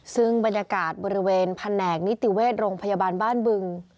ซึ่งบรรยากาศบริเวณแผนกนิติเวชโรงพยาบาลบ้านบึง